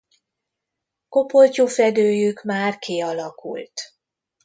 Kopoltyúfedőjük már kialakult.